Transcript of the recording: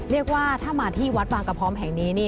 เรียกว่าถ้ามาที่วัดบางกระพร้อมแห่งนี้